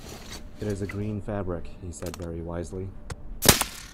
"It is a green fabric," he said very wisely.